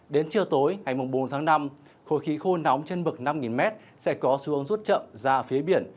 đến trưa tối ngày bốn tháng năm khối khí khô nóng trên mực năm m sẽ có xuống rút chậm ra phía biển